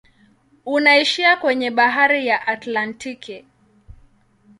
Unaishia kwenye bahari ya Atlantiki.